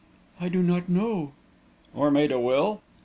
"I do not know." "Or made a will?"